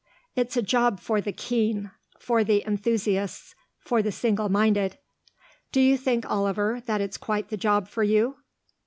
It's a job for the keen; for the enthusiasts; for the single minded. Do you think, Oliver, that it's quite the job for you?"